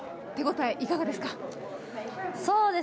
手応えはいかがですか？